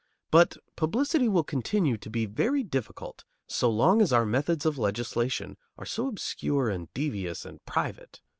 But publicity will continue to be very difficult so long as our methods of legislation are so obscure and devious and private.